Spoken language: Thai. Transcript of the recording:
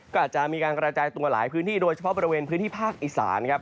ก็อาจจะมีการกระจายตัวหลายพื้นที่โดยเฉพาะบริเวณพื้นที่ภาคอีสานครับ